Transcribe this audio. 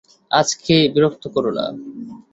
আমাকে বিরক্ত করো না।